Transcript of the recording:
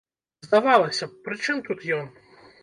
Здавалася б, пры чым тут ён?